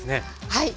はい。